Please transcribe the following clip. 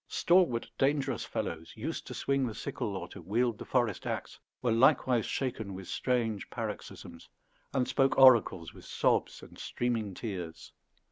Stalwart dangerous fellows, used to swing the sickle or to wield the forest axe, were likewise shaken with strange paroxysms, and spoke oracles with sobs and streaming tears.